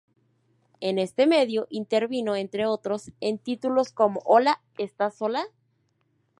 En este medio intervino, entre otros, en títulos como "Hola, ¿estás sola?